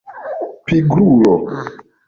pigrulo